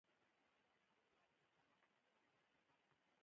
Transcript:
دوکان مې ځکه له لاسه لاړ، بل چا جگه بولۍ ور کړه.